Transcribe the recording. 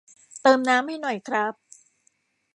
เติมน้ำให้หน่อยครับ